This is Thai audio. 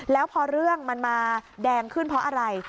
แล้วพอเรื่องมันมาแดงขึ้นเพราะอะไร